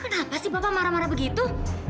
pak kenapa sih papa marah marah begitu